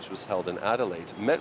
của thành phố cát tây